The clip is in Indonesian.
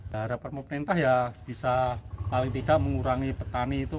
dara permukaan perintah ya bisa paling tidak mengurangi petani itu